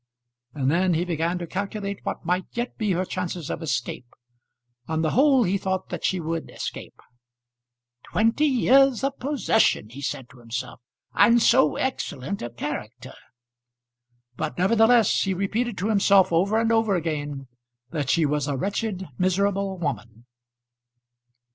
And then he began to calculate what might yet be her chances of escape. On the whole he thought that she would escape. "Twenty years of possession," he said to himself "and so excellent a character!" But, nevertheless, he repeated to himself over and over again that she was a wretched, miserable woman.